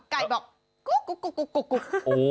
ไก่บอกกุ๊กกุ๊กกุ๊กกุ๊ก